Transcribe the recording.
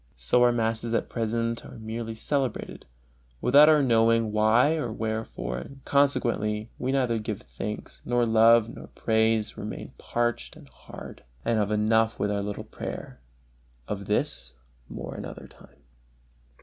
So our masses at present are merely celebrated, without our knowing why or wherefore, and consequently we neither give thanks nor love nor praise, remain parched and hard, and have enough with our little prayer. Of this more another time.